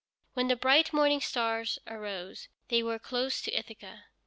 When the bright morning stars arose, they were close to Ithaca.